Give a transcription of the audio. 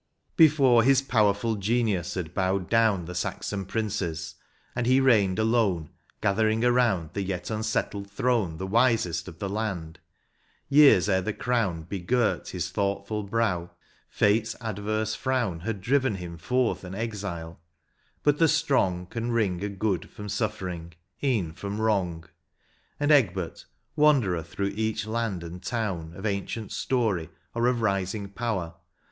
Before his powerful genius had howed down The Saxon princes ; and he reigned alone, Gathering around the yet unsettled throne The wisest of the land ; years ere the crown ' Begirt his thoughtful brow, Fate s adverse frown Had driven him forth an exile ; but the strong Can wring a good from suflFering— een from wrong; And Egbert, wanderer through each land and town Of ancient story or of rising power.